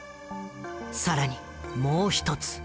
更にもう１つ。